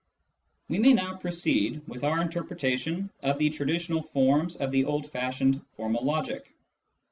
We may now proceed with our interpretation of the traditional forms of the old fashioned formal logic.